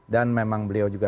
dan memang beliau juga